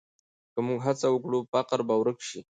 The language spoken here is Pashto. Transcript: که موږ هڅه وکړو، فقر به ورک شي.